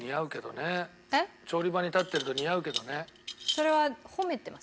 それは褒めてます？